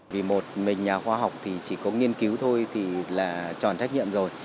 vì một mình nhà khoa học thì chỉ có nghiên cứu thôi thì là tròn trách nhiệm rồi